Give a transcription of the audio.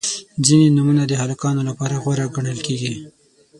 • ځینې نومونه د هلکانو لپاره غوره ګڼل کیږي.